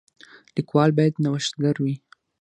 لیکوال باید نوښتګر وي.